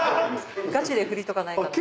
ガチで振りとかないから。